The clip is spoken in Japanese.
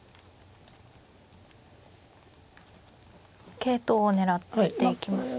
桂頭を狙っていきますね。